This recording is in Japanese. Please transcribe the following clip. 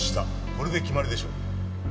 これで決まりでしょう。